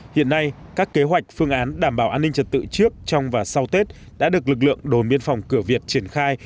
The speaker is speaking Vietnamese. hiện nay các kế hoạch phương án đảm bảo an ninh trật tự trước trong và sau tết đã được lực lượng đồn biên phòng cửa việt triển khai